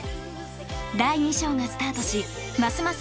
第２章がスタートしますます